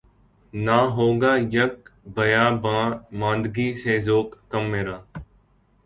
نہ ہوگا یک بیاباں ماندگی سے ذوق کم میرا